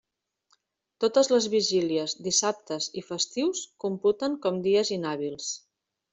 Totes les vigílies, dissabtes i festius computen com dies inhàbils.